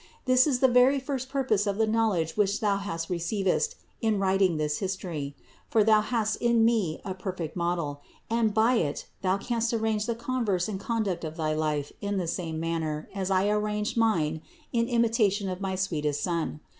This is the very first purpose of the knowl edge which thou receivest in writing this history; for thou hast in me a perfect model, and by it thou canst arrange the converse and conduct of thy life in the same manner as I arranged mine in imitation of my sweetest Son.